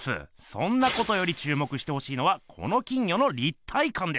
そんなことよりちゅうもくしてほしいのはこの金魚の立体かんです。